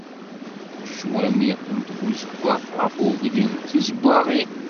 Ccwami n tbuzeggaɣt ɣef uglim d tizeggaɣin.